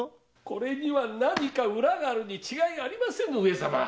これには何か裏があるに違いありません！